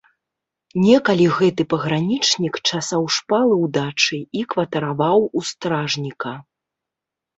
Некалі гэты пагранічнік часаў шпалы ў дачы і кватараваў у стражніка.